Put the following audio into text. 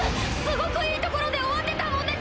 すごくいいところで終わってたもんね